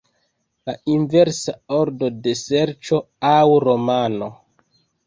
La inversa ordo de ŝerco aŭ romano.